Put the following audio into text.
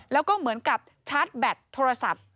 แล้วก็เหมือนกับชาร์จแบตโทรศัพท์